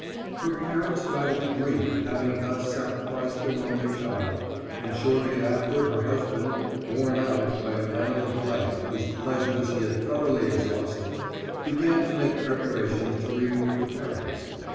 Her parents died of grief at having thus sacrificed their only child, and shortly after her husband, worn out by a manner of life whose pleasures he had thoroughly exhausted, began to make preparations to remove to France.